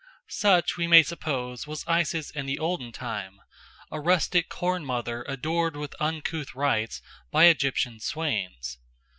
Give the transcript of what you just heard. Such, we may suppose, was Isis in the olden time, a rustic Corn Mother adored with uncouth rites by Egyptian swains.